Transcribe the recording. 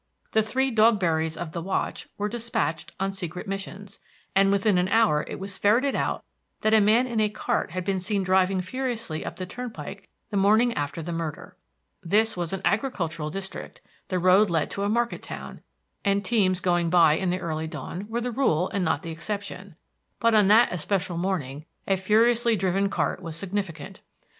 The three Dogberrys of the watch were dispatched on secret missions, and within an hour it was ferreted out that a man in a cart had been seen driving furiously up the turnpike the morning after the murder. This was an agricultural district, the road led to a market town, and teams going by in the early dawn were the rule and not the exception; but on that especial morning a furiously driven cart was significant.